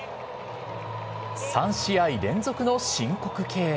３試合連続の申告敬遠。